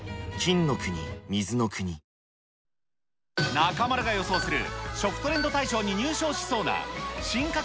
中丸が予想する、食トレンド大賞に入賞しそうな進化系